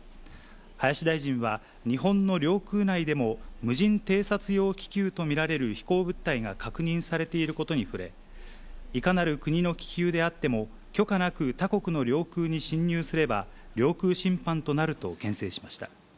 林大臣は、日本の領空内でも無人偵察用気球と見られる飛行物体が確認されていることに触れ、いかなる国の気球であっても、許可なく他国の領空に侵入すれば、領空侵犯となるとけん制しました。